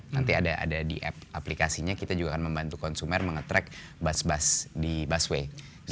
nanti ada di aplikasinya kita juga akan membantu konsumen menge track bus bus di busway